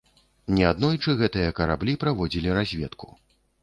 Неаднойчы гэтыя караблі праводзілі разведку.